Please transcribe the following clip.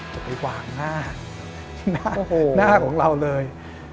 จะไปขวางหน้าหน้าของเราเลย